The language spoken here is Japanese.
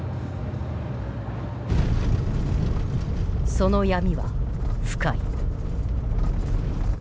その闇は深い。